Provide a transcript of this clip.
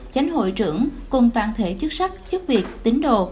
chánh hội trưởng cùng toàn thể chức sắc chức việc tín đồ